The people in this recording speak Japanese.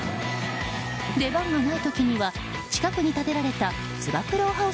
出番がない時には近くに建てられたつば九郎ハウ